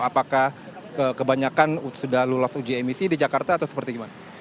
apakah kebanyakan sudah lulus uji emisi di jakarta atau seperti gimana